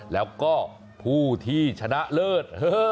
แล้วก็ผู้ที่ชนะเลิศ